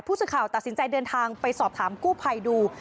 สื่อข่าวตัดสินใจเดินทางไปสอบถามกู้ภัยดู